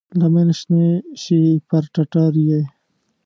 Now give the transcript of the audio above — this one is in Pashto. لمنې شنې شي پر ټټر یې،